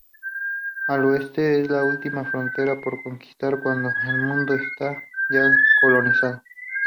El oeste es la última frontera por conquistar cuando el mundo está ya colonizado.